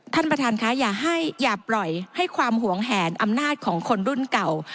ท่านประธานคะอย่าปล่อยให้ความหวงแหนอำนาจของคนรุ่นเก่า